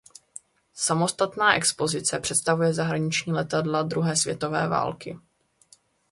Samostatná expozice představuje zahraniční letadla druhé světové války.